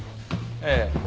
ええ。